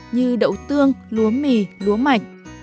như đậu tương lúa mì lúa mảnh